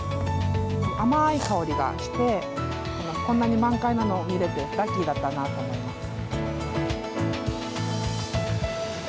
甘い香りがしてたまに満開なのを見れてラッキーだったなと思います。